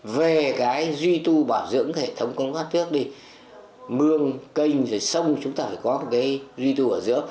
về cái duy tu bảo dưỡng hệ thống công tác trước đi mương kênh sông chúng ta phải có cái duy tu ở giữa